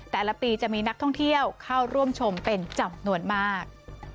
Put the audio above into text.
แต่ละปีจะมีนักท่องเที่ยวเข้าร่วมชมเป็นจำนวนมาก